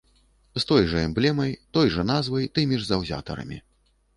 З той жа эмблемай, той жа назвай, тымі ж заўзятарамі.